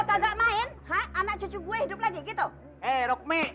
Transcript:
kagak main anak cucu gue hidup lagi gitu eh rokme